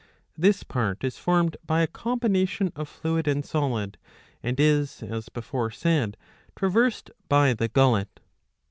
This part is formed by a combination of fluid and solid, and is, as before said, traversed by the gullet.